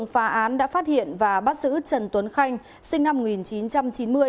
phá án đã phát hiện và bắt giữ trần tuấn khanh sinh năm một nghìn chín trăm chín mươi